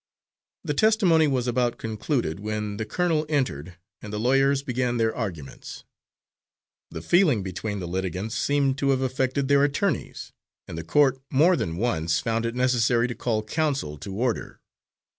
The testimony was about concluded when the colonel entered, and the lawyers began their arguments. The feeling between the litigants seemed to have affected their attorneys, and the court more than once found it necessary to call counsel to order.